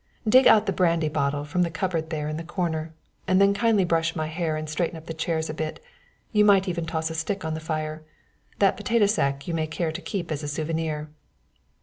Dig out the brandy bottle from the cupboard there in the corner, and then kindly brush my hair and straighten up the chairs a bit. You might even toss a stick on the fire. That potato sack you may care to keep as a souvenir."